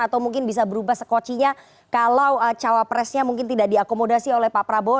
atau mungkin bisa berubah sekocinya kalau cawapresnya mungkin tidak diakomodasi oleh pak prabowo